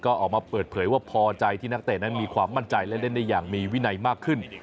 ก็ออกมาเปิดเผยว่าพอใจที่นักเตะนั้นมีความมั่นใจและเล่นได้อย่างมีวินัยมากขึ้น